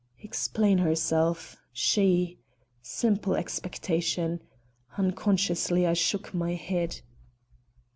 Explain herself, she! Simple expectation. Unconsciously I shook my head.